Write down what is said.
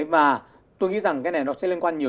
và tôi nghĩ rằng cái này nó sẽ liên quan nhiều